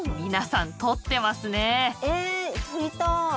え撮りたい！